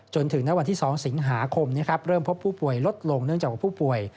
จนถึงณวันที่๒สิงหาคมเริ่มพบผู้ป่วยลดลงเนื่องจากว่าผู้ป่วย